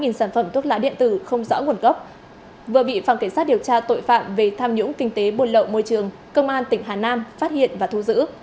hơn một trăm linh tám sản phẩm thuốc lá điện tử không rõ nguồn gốc vừa bị phòng cảnh sát điều tra tội phạm về tham nhũng kinh tế buồn lậu môi trường công an tỉnh hà nam phát hiện và thu giữ